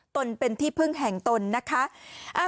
ตนเป็นที่พึ่งแห่งตนนะคะ